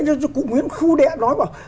nghệ nhân của cụ nguyễn khu đẹ nói bảo